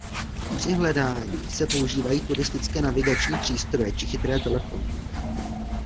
Při hledání se používají turistické navigační přístroje či chytré telefony.